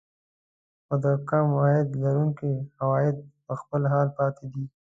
خو د کم عاید لرونکو عوايد په خپل حال پاتې دي